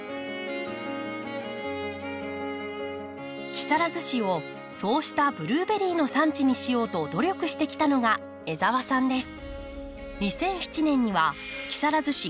木更津市をそうしたブルーベリーの産地にしようと努力してきたのが江澤さんです。